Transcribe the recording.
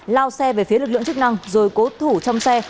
lao xe về phía lực lượng chức năng rồi cố thủ trong xe